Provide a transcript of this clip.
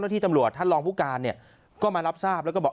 ที่ตำรวจท่านรองผู้การเนี่ยก็มารับทราบแล้วก็บอก